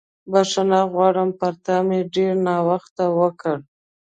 بښنه غواړم، پر تا مې ډېر ناوخته وکړ.